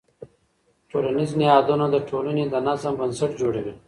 ټولنیز نهادونه د ټولنې د نظم بنسټ جوړوي.